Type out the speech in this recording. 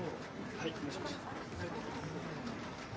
はい。